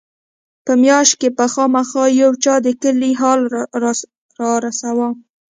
په مياشت کښې به خامخا يو چا د کلي حال رارساوه.